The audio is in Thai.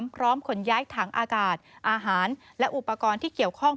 พร้อมขนย้ายถังอากาศอาหารและอุปกรณ์ที่เกี่ยวข้อง